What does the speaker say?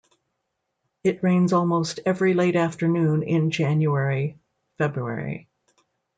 It rains almost every late afternoon in January-February.